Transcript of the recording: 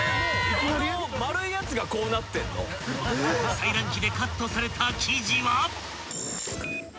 ［裁断機でカットされた生地は］